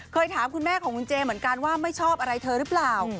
ถามคุณแม่ของคุณเจเหมือนกันว่าไม่ชอบอะไรเธอหรือเปล่า